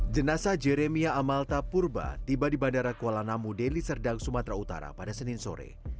jenasa jeremia amalta purba tiba di bandara kuala namu deli serdang sumatera utara pada senin sore